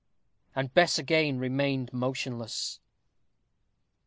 And Bess again remained motionless.